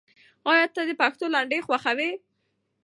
آیا ته د پښتو لنډۍ خوښوې؟